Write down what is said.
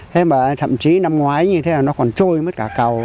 thế mà thậm chí năm ngoái như thế là nó còn trôi mất cả cầu